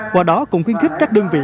hòa đó cũng khuyên khích các đơn vị